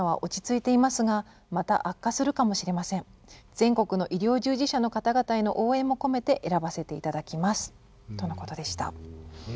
全国の医療従事者の方々への応援も込めて選ばせていただきます」とのことでした。